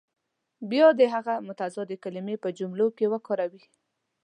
بیا دې هغه متضادې کلمې په جملو کې وکاروي.